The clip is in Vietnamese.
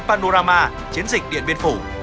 panorama chiến dịch điện biên phủ